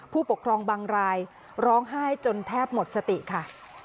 ผู้ปกครองบางรายร้องไห้จนแทบหมดสติค่ะ